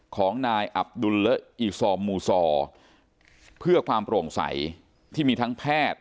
ของนายอับดุลเลอะอีซอมมูซอเพื่อความโปร่งใสที่มีทั้งแพทย์